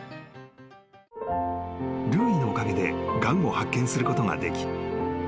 ［ルーイのおかげでがんを発見することができ